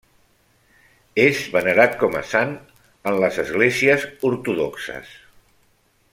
És venerat com a sant en les esglésies ortodoxes.